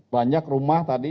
banyak rumah tadi